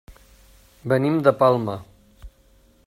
Venim de Palma.